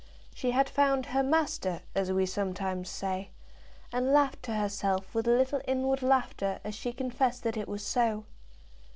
She had found her master, as we sometimes say, and laughed to herself with a little inward laughter as she confessed that it was so.